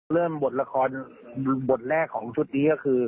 บทละครบทแรกของชุดนี้ก็คือ